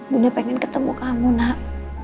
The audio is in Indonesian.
bunda pengen ketemu kamu nak